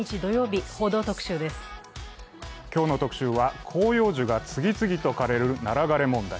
今日の特集は広葉樹が次々と枯れるナラ枯れ問題。